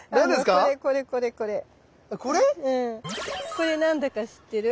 これ何だか知ってる？